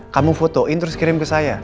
kamu fotoin terus kirim ke saya